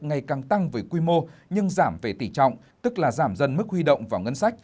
ngày càng tăng với quy mô nhưng giảm về tỷ trọng tức là giảm dần mức huy động vào ngân sách